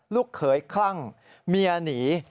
ลูกเขยคลั่งเมียหนี